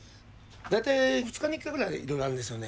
大体２日に１回ぐらいいろいろあるんですよね。